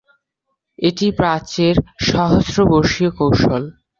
এটি প্রাচ্যের সহস্রবর্ষীয় কৌশল।